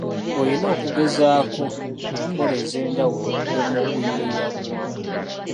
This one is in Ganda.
Olina okugezaako enkola ez'enjawulo okukuuma obuyiiya bwo.